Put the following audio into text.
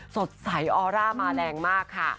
สดใสออร่ามาแรงมากค่ะ